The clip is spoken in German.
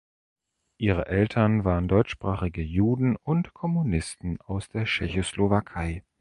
Ihre Eltern waren deutschsprachige Juden und Kommunisten aus der Tschechoslowakei.